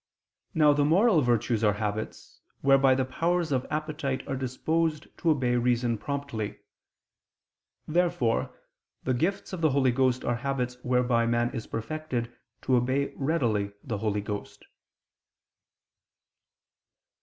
Now the moral virtues are habits, whereby the powers of appetite are disposed to obey reason promptly. Therefore the gifts of the Holy Ghost are habits whereby man is perfected to obey readily the Holy Ghost.